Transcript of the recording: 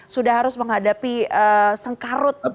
sudah harus menghadapi sengkarut